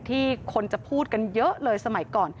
ที่คนจะพูดกันเยอะเลยสมัยก่อน